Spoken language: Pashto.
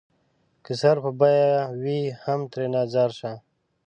که سر په بيه وي هم ترېنه ځار شــــــــــــــــــه